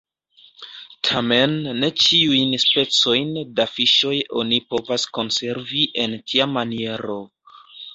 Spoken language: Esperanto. Tamen ne ĉiujn specojn da fiŝoj oni povas konservi en tia maniero.